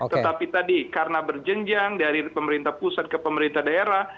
tetapi tadi karena berjenjang dari pemerintah pusat ke pemerintah daerah